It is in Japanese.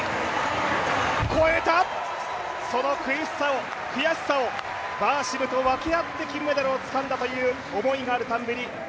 越えた、その悔しさをバーシムと分け合って金メダルをつかんだという思いがあるタンベリ。